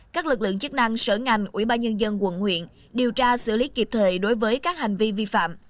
các lực lượng chức năng sở ngành ủy ban nhân dân quận huyện điều tra xử lý kịp thời đối với các hành vi vi phạm